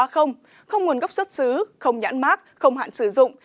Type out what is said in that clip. không nguồn gốc xuất xứ không nhãn mát không hạn sử dụng